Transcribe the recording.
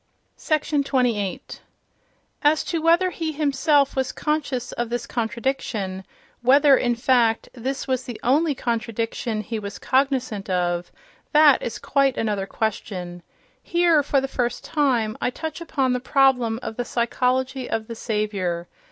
— 28. As to whether he himself was conscious of this contradiction—whether, in fact, this was the only contradiction he was cognizant of—that is quite another question. Here, for the first time, I touch upon the problem of the psychology of the Saviour.